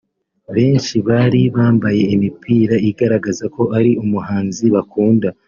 Benshi bari bambaye imipira igaragaza ko ari umuhanzi bakunda